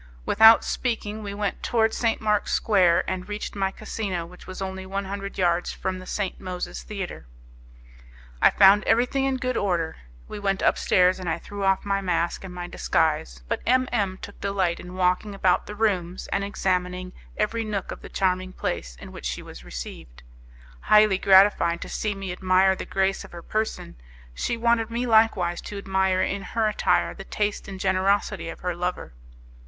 Without speaking we went towards St. Mark's Square, and reached my casino, which was only one hundred yards from the St. Moses Theatre. I found everything in good order; we went upstairs and I threw off my mask and my disguise; but M M took delight in walking about the rooms and in examining every nook of the charming place in which she was received. Highly gratified to see me admire the grace of her person, she wanted me likewise to admire in her attire the taste and generosity of her lover.